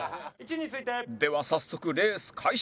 では早速レース開始！